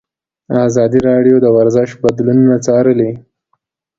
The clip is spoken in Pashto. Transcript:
ازادي راډیو د ورزش بدلونونه څارلي.